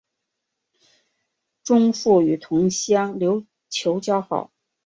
钟复与同乡刘球交好。